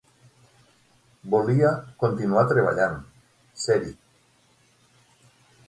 Volia continuar treballant, ser-hi.